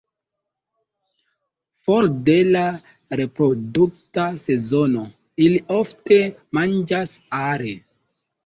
For de la reprodukta sezono, ili ofte manĝas are.